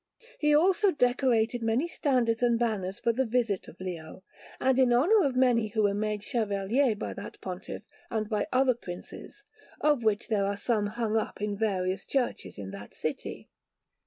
He also decorated many standards and banners for the visit of Leo, and in honour of many who were made Chevaliers by that Pontiff and by other Princes, of which there are some hung up in various churches in that city.